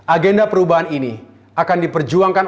agenda perubahan ini akan diperjuangkan